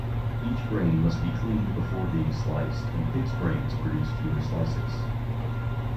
Each brain must be cleaned before being sliced and pigs' brains produce fewer slices.